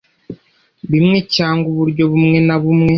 bimwe cyangwa uburyo bumwe na bumwe